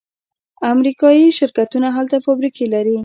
امریکایی شرکتونه هلته فابریکې لري.